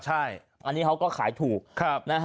อันนี้เขาก็ขายถูก